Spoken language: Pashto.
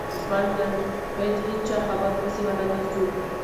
ژوند لنډ بايد هيچا خبرو پسی ونه ګرځو